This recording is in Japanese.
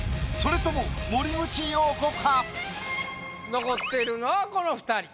それとも森口瑤子か⁉残っているのはこの２人。